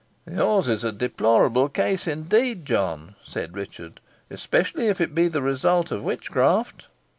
"Yours is a deplorable case indeed, John," said Richard "especially if it be the result of witchcraft."